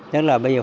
tức là bây giờ